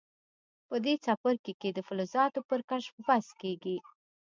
په دې څپرکي کې د فلزاتو پر کشف بحث کیږي.